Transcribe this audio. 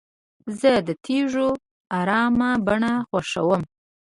زه د تیږو ارامه بڼه خوښوم.